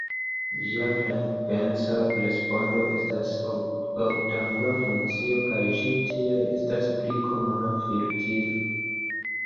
Ĝia frekvenca respondo estas ortangula funkcio, kaj ĝi tiel estas briko-mura filtrilo.